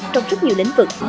trong rất nhiều lĩnh vực